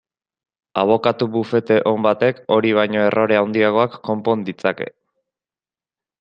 Abokatu bufete on batek hori baino errore handiagoak konpon ditzake.